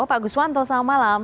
pak guswanto selamat malam